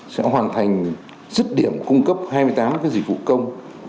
sẽ hoàn thành dứt điểm cung cấp hai mươi tám dịch vụ công